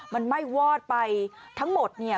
มันไม่วาดไปทั้งหมดนี่